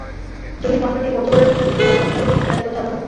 জমির বণ্টন নিয়ে পঞ্চগড়ের বিভিন্ন ছিটমহলের বাসিন্দাদের মধ্যে বিরাজ করছে আতঙ্ক।